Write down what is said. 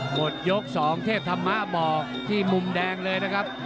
หมดยก๒เทพธรรมะบอกที่มุมแดงเลยนะครับ